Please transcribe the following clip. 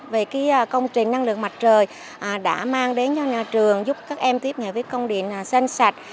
về công trình năng lượng mặt trời đã mang đến cho nhà trường giúp các em tiếp nhận với công điện xanh sạch